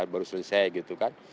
baru selesai gitu kan